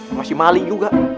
sama si mali juga